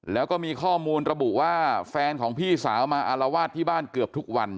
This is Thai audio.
แล้วก็มีข้อมูลระบุว่าแฟนของพี่สาวมาอารวาสที่บ้านเกือบทุกวัน